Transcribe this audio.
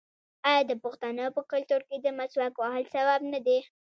آیا د پښتنو په کلتور کې د مسواک وهل ثواب نه دی؟